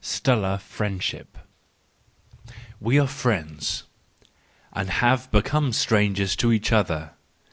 Stellar Friendship .—We were friends, and have become strangers to each other.